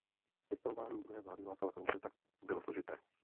Sestavování druhé vlády Václava Klause tak bylo složité.